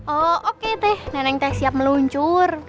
oh oke teh neneng teh siap meluncur